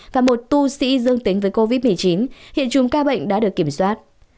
và một tu sĩ dương tính với covid một mươi chín hiện chùm ca bệnh đã được kiểm soát